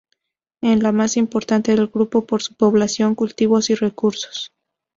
Es la más importante del grupo por su población, cultivos y recursos.